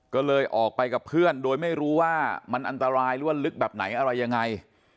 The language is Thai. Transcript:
ก็เลยออกไปกับเพื่อนโดยไม่รู้ว่ามันอันตรายหรือว่าลึกแบบไหนอะไรยังไง